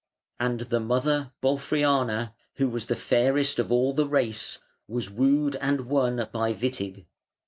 And the mother, Bolfriana, who was fairest of all the race, was wooed and won by Witig.